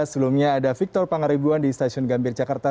sebelumnya ada victor pangaribuan di stasiun gambir jakarta